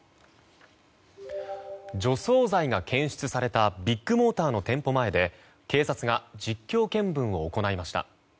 除草剤が検出されたビッグモーターの店舗前で警察が実況見分を行いました。